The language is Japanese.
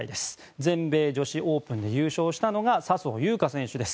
全米女子オープンで優勝したのが笹生優花選手です。